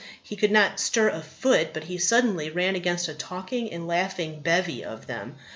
He could not stir a foot but he suddenly ran against a talking and laughing bevy of them.